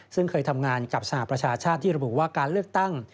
ซึ่งเคยทำงานกับสหประชาชาติที่ระบุว่าการเลือกตั้ง